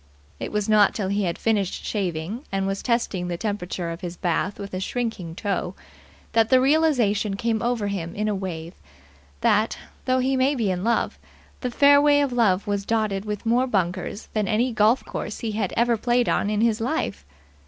It was not till he had finished shaving and was testing the temperature of his bath with a shrinking toe that the realization came over him in a wave that, though he might be in love, the fairway of love was dotted with more bunkers than any golf course he had ever played on in his life.